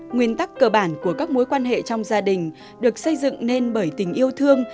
nguyên tắc cơ bản của các mối quan hệ trong gia đình được xây dựng nên bởi tình yêu thương